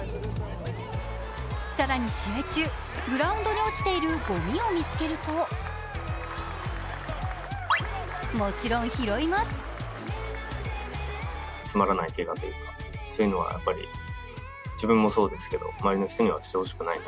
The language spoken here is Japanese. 更に試合中、グラウンドに落ちているごみを見つけるともちろん拾います。